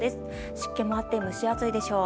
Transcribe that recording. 湿気もあって蒸し暑いでしょう。